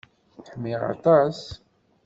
Ḥmiɣ aṭas.